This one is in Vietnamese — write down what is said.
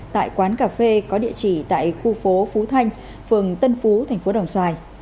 tại quán cà phê có địa chỉ tại khu phố phú thanh phường tân phú tp đồng xoài